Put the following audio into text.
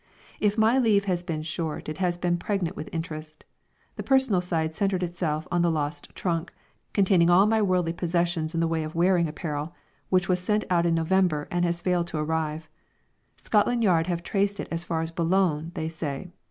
If my leave has been short it has been pregnant with interest. The personal side centred itself on the lost trunk, containing all my worldly possessions in the way of wearing apparel, which was sent out in November and has failed to arrive. Scotland Yard have traced it as far as Boulogne, they say.